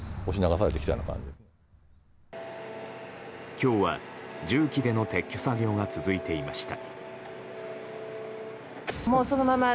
今日は、重機での撤去作業が続いていました。